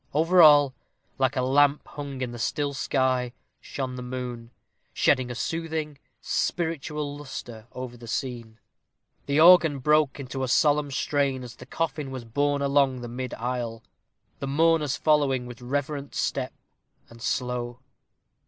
Over all, like a lamp hung in the still sky, shone the moon, shedding a soothing, spiritual lustre over the scene. The organ broke into a solemn strain as the coffin was borne along the mid aisle the mourners following, with reverent step, and slow.